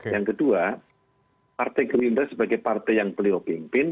yang kedua partai gerindra sebagai partai yang beliau pimpin